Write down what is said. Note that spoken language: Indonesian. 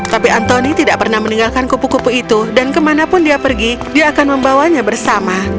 tapi anthony tidak pernah meninggalkan kupu kupu itu dan kemanapun dia pergi dia akan membawanya bersama